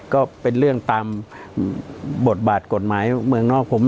ก็เป็นเรื่องตามบทบาทกฎหมายเมืองนอกผม